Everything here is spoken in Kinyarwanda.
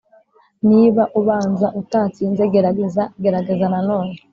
niba ubanza utatsinze, gerageza, gerageza nanone.